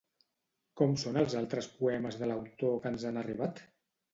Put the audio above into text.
Com són els altres poemes de l'autor que ens han arribat?